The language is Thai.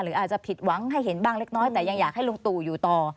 อาจจะผิดหวังให้เห็นบ้างเล็กน้อยแต่ยังอยากให้ลุงตู่อยู่ต่อ